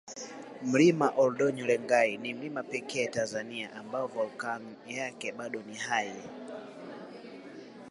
Mlima oldinyolengai ni mlima pekee Tanzania ambao volkani yake bado ni hai